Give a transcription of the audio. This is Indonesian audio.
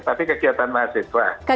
tapi kegiatan mahasiswa